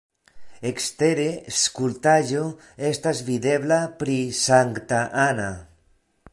Ekstere skulptaĵo estas videbla pri Sankta Anna.